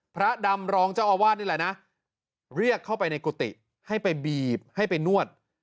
พระดำรองเจ้าอาวาสนี่แหละนะเรียกเข้าไปในกุฏิให้ไปบีบให้ไปนวด